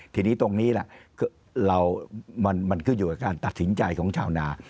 ทีนี้ตรงนี้แหละมันขึ้นอยู่กับการตัดสินใจของชาวนา